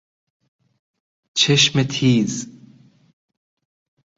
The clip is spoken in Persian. چشم تیز